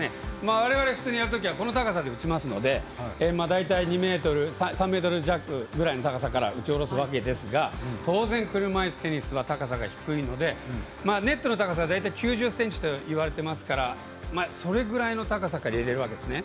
われわれ普通にやるときはこの高さでやるので３ｍ弱ぐらいの高さから打ち下ろすわけですが当然、車いすテニスは高さが低いので、ネットの高さ大体９０ｃｍといわれてますからそれぐらいの高さから入れるわけですね。